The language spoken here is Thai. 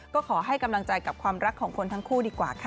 ก็ขอให้กำลังใจกับความรักของคนทั้งคู่ดีกว่าค่ะ